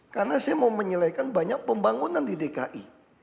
karena saya mau menyelekan banyak pembangunan di dki